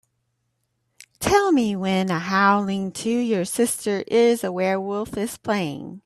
Tell me when Howling II: Your Sister Is a Werewolf is playing.